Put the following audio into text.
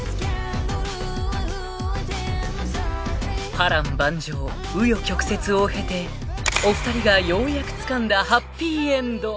［波瀾万丈紆余曲折を経てお二人がようやくつかんだハッピーエンド］